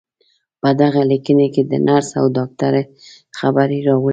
په دغې ليکنې کې د نرس او ډاکټر خبرې راوړې.